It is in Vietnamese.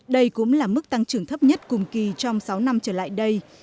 đây cũng là mức tăng trưởng thấp nhất cùng kỳ trong sáu năm trở lại đây